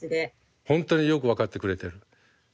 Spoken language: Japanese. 本当によく分かってくれてる。